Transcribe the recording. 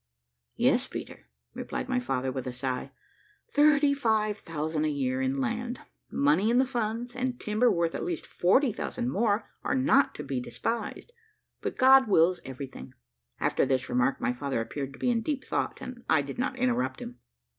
"Yes, Peter," replied my father, with a sigh, "thirty five thousand a year in land, money in the funds, and timber worth at least forty thousand more, are not to be despised. But God wills everything." After this remark, my father appeared to be in deep thought, and I did not interrupt him.